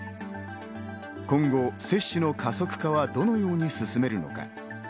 今後、接種の加速感はどのように進めるのか。